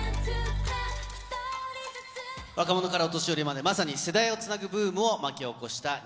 若者からお年寄りまで、まさに世代をつなぐブームを巻き起こしたＮｉｚｉＵ。